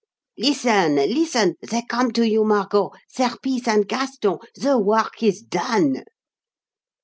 "Listen! listen! They come to you, Margot Serpice and Gaston. The work is done."